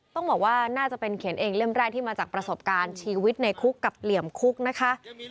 ต้องบอกว่าน่าจะเป็นเขียนเองเล่มแรกที่มาจากประสบการณ์ชีวิตในคุกกับเหลี่ยมคุกนะคะ